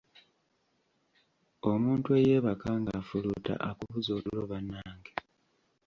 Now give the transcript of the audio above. Omuntu eyeebaka ng'afuluuta akubuza otulo bannange.